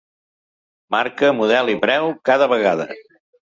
Marca, model i preu, cada vegada.